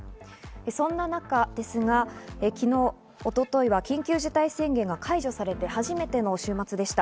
そんな中ですが、昨日・一昨日は緊急事態宣言が解除されて初めての週末でした。